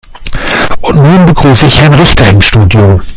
Und nun begrüße ich Herrn Richter im Studio.